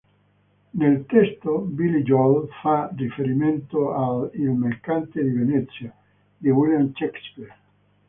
Nel testo Billy Joel fa riferimento a "Il mercante di Venezia" di William Shakespeare.